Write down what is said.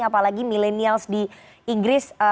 apalagi milenials di inggris